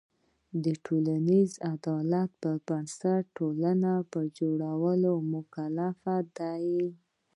د ټولنیز عدالت پر بنسټ ټولنې په جوړولو مکلف دی.